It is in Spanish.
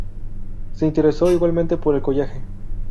Se interesó igualmente por el collage.